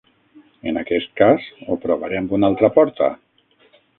En aquest cas, ho provaré amb una altra porta.